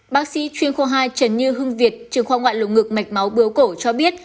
bác sĩ chuyên khoa hai trần như hưng việt trường khoa ngoại lồng ngực mạch máu bướu cổ cho biết